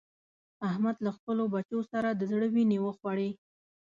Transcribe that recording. احمد له خپلو بچو سره د زړه وينې وخوړې.